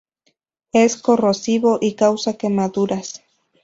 Es corrosivo y causa quemaduras.